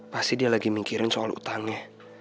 pasti dia lagi mikirin soal utangnya